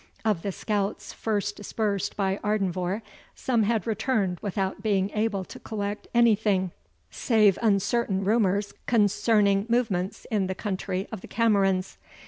Of the scouts first dispersed by Ardenvohr, some had returned without being able to collect anything, save uncertain rumours concerning movements in the country of the Camerons.